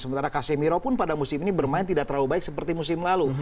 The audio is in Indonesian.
sementara casemiro pun pada musim ini bermain tidak terlalu baik seperti musim lalu